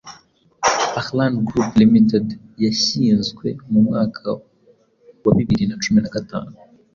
Ahlan Group ltd yashyinzwe mu mwaka wa bibiri nacumi nagatanu